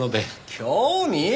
興味！？